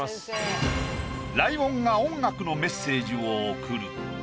ライオンが音楽のメッセージを贈る。